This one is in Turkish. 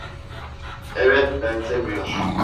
Evet, benzemiyor.